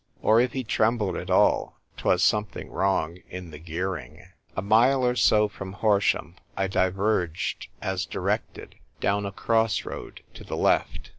Or if he trembled at all, 'twas something wrong in the gearing. A mile or two from Horsham I diverged, as directed, down a cross road to the left.